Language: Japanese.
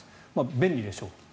便利でしょうと。